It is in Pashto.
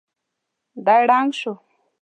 دی ړنګ شو.